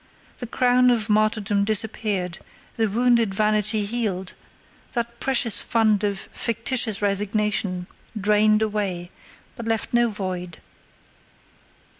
The crown of martyrdom disappeared, the wounded vanity healed; that precious fund of fictitious resignation drained away, but left no void.